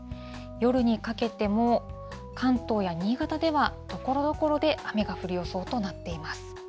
夜にかけても、関東や新潟ではところどころで雨が降る予想となっています。